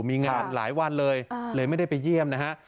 มีงานหลายวันเลยเลยไม่ได้ไปเยี่ยมนะฮะ